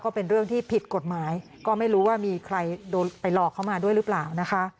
ก็เป็นเรื่องที่ผิดกฎหมายก็ไม่รู้ว่ามีใครโดนไปหลอกเขามาด้วยหรือเปล่านะคะ